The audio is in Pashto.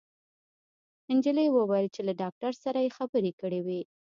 انجلۍ وويل چې له داکتر سره يې خبرې کړې وې